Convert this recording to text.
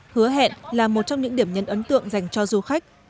hứa hẹn là một trong những điểm nhấn ấn tượng dành cho du khách